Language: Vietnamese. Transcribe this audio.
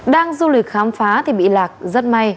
đang du lịch khám phá thì bị lạc rất may